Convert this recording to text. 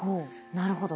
なるほど。